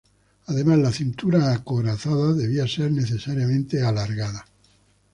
Además la cintura acorazada debía ser necesariamente alargada.